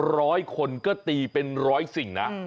ร้อยคนก็ตีเป็นร้อยสิ่งนะ